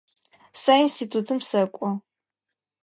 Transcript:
Сэ институтым сэкӏо.